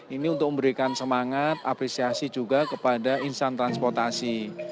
ini untuk memberikan semangat apresiasi juga kepada insan transportasi